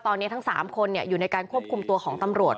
ตอนนี้ทั้ง๓คนอยู่ในการควบคุมตัวของตำรวจ